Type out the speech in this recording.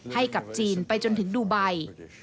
ให้กับจีนไปจนถึงดูไบ